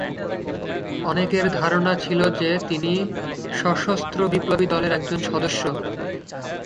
অনেকের ধারণা ছিল যে, তিনি সশস্ত্র বিপ্লবী দলের একজন সদস্য।